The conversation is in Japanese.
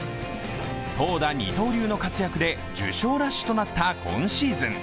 投打二刀流の活躍で受賞ラッシュとなった今シーズン。